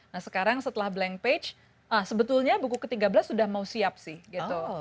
nah sekarang setelah blank page sebetulnya buku ke tiga belas sudah mau siap sih gitu